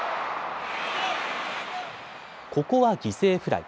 ここは犠牲フライ。